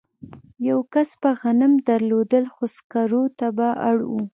یوه کس به غنم درلودل خو سکارو ته به اړ و